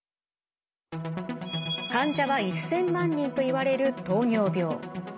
患者は１，０００万人といわれる糖尿病。